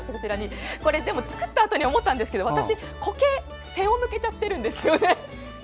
作ったあとに思ったんですけど私、コケに背を向けちゃってるんですよね。